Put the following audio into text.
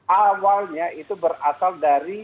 awalnya itu berasal dari